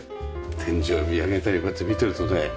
天井を見上げたりこうやって見てるとね。